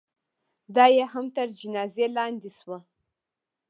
دا یې هم تر جنازې لاندې شوه.